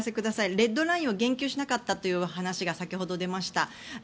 レッドラインを言及しなかったという話が先ほど出ました。